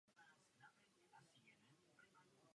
Nechovejme se, jako by se nic nestalo.